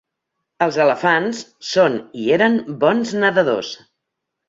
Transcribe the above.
Els elefants són i eren bons nedadors.